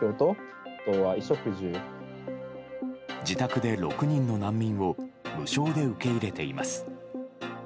自宅で６人の難民を無償で受け入れています。